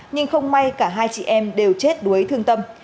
nhưng không may cả hai chị em đều chết đuối thương tâm